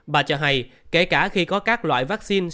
bà cho hay kể cả khi có các loại vaccine